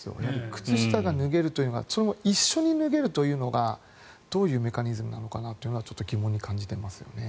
靴下が脱げるというのは一緒に脱げるというのがどういうメカニズムなのかがちょっと疑問に感じてます。